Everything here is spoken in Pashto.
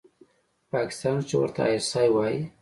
په پاکستان کښې چې ورته آى اس آى وايي.